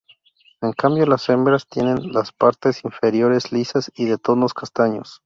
En cambio las hembras tienen las partes inferiores lisas y de tonos castaños.